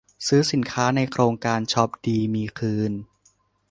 ซื้อสินค้าในโครงการช้อปดีมีคืน